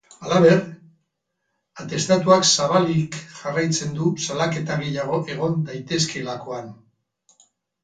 Halaber, atestatuak zabalik jarraitzen du salaketa gehiago egon daitezkeelakoan.